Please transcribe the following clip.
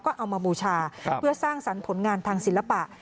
ก็เอามาบูชาเพื่อสร้างสรรค์ผลงานทางศิลปะ